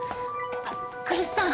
あっ来栖さん。